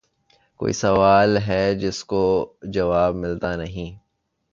کوئی سوال ھے جس کو جواب مِلتا نیں